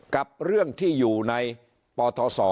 กับเรื่องที่อยู่ในปทศ